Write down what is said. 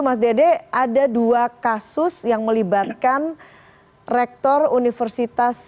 mas dede ada dua kasus yang melibatkan rektor universitas